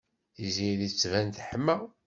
Tiziri tettban teḥma.